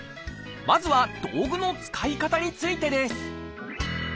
まずは道具の使い方についてです